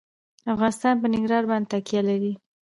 افغانستان په ننګرهار باندې تکیه لري.